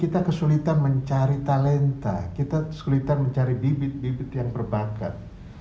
kita kesulitan mencari talenta kita kesulitan mencari bibit bibit yang berbakat